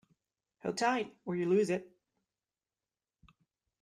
Hold tight, or you'll lose it!